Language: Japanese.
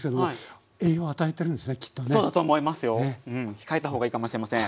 控えた方がいいかもしれません。